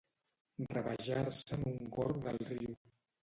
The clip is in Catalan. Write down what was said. Rabejar-se en un gorg del riu.